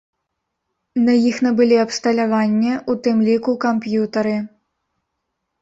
На іх набылі абсталяванне, у тым ліку камп'ютары.